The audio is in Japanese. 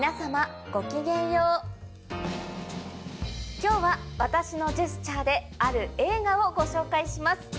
今日は私のジェスチャーである映画をご紹介します。